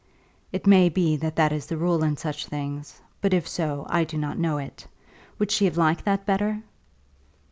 "It may be that that is the rule in such things, but if so I do not know it. Would she have liked that better?"